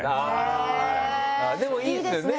でもいいですよね